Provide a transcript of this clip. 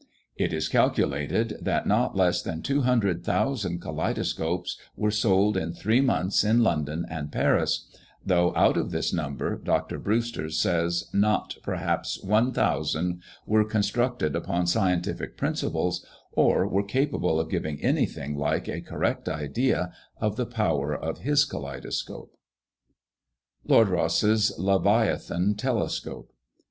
It is calculated that not less than 200,000 kaleidoscopes were sold in three months in London and Paris; though, out of this number, Dr. Brewster says, not, perhaps, one thousand were constructed upon scientific principles, or were capable of giving anything like a correct idea of the power of his kaleidoscope. LORD ROSSE'S LEVIATHAN TELESCOPE.